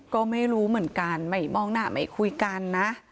ก็ไม่รู้เหมือนกันไม่มองหน้าไม่คุยกันนะ